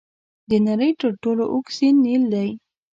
د نړۍ تر ټولو اوږد سیند نیل دی.